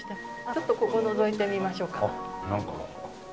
ちょっとここのぞいてみましょうか。